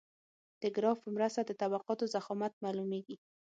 د ګراف په مرسته د طبقاتو ضخامت معلومیږي